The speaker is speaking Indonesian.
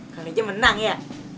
kali aja menang ya